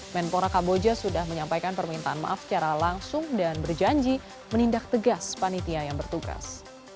menpora kamboja sudah menyampaikan permintaan maaf secara langsung dan berjanji menindak tegas panitia yang bertugas